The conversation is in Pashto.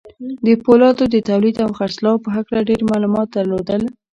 د پولادو د توليد او خرڅلاو په هکله ډېر معلومات درلودل.